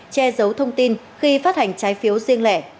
che giấu thông tin khi phát hành trái phiếu riêng lẻ